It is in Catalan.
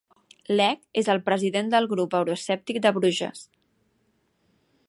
Legg és el president del grup euroescèptic de Bruges.